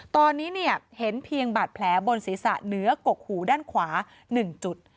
ตอนนี้เห็นเพียงบาดแผลบนศีรษะเหนือกกหูด้านขวา๑จุด